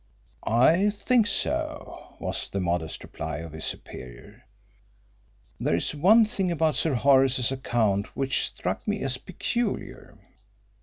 "I think so," was the modest reply of his superior. "There is one thing about Sir Horace's account which struck me as peculiar.